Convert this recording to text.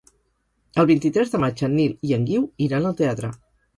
El vint-i-tres de maig en Nil i en Guiu iran al teatre.